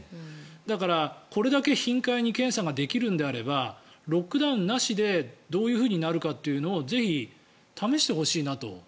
だから、これだけ頻回に検査ができるのであればロックダウンなしでどういうふうになるかというのをぜひ、試してほしいなと。